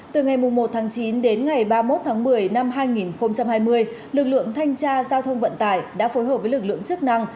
từ ngày một tháng chín đến ngày ba mươi một tháng một mươi năm hai nghìn hai mươi lực lượng thanh tra giao thông vận tải đã phối hợp với lực lượng chức năng